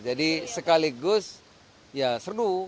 jadi sekaligus ya seru